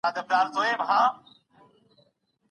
د املا تمرین د زده کړي په هر ډګر کي ګټور وي.